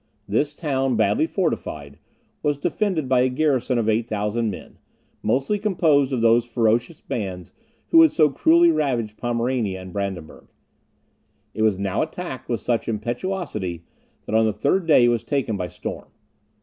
This town, badly fortified, was defended by a garrison of 8,000 men, mostly composed of those ferocious bands who had so cruelly ravaged Pomerania and Brandenburg. It was now attacked with such impetuosity, that on the third day it was taken by storm.